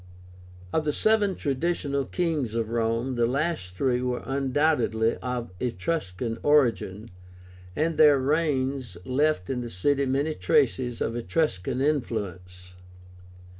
Of the seven traditional kings of Rome, the last three were undoubtedly of Etruscan origin, and their reigns left in the city many traces of Etruscan influence.